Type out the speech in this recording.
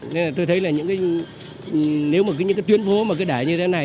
nên là tôi thấy là những cái nếu mà những cái tuyến phố mà cứ đẻ như thế này